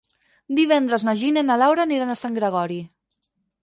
Divendres na Gina i na Laura aniran a Sant Gregori.